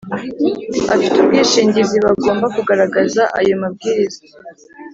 Abafite ubwishingizi bagomba kugaragaza ayo mabwiriza